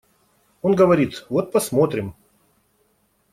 Он говорит: «Вот посмотрим».